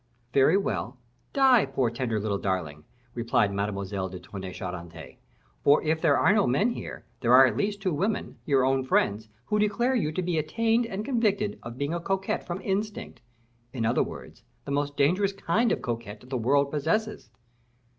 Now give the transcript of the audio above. "Very well; die, poor tender little darling," replied Mademoiselle de Tonnay Charente; "for if there are no men here, there are at least two women, your own friends, who declare you to be attained and convicted of being a coquette from instinct; in other words, the most dangerous kind of coquette the world possesses."